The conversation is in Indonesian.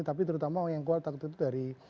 tapi terutama yang keluar takut itu dari